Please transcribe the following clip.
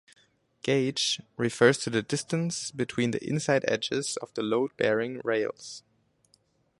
"Gauge" refers to the distance between the inside edges of the load-bearing rails.